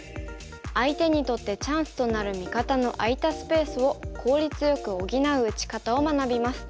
相手にとってチャンスとなる味方の空いたスペースを効率よく補う打ち方を学びます。